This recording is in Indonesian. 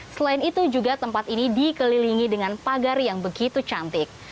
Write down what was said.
selain itu juga tempat ini dikelilingi dengan pagar yang begitu cantik